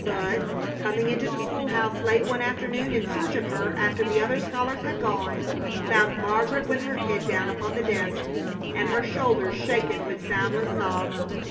Bud, coming into the school house late one afternoon in search of her after the other scholars had gone, found Margaret with her head down upon the desk and her shoulders shaken with soundless sobs.